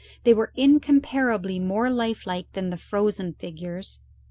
They were incomparably more lifelike than the frozen figures.